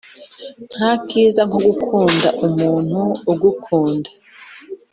Ntakiza nkogukunda umuntu ugukunda